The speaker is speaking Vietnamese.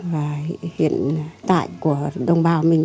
và hiện tại của đồng bào mình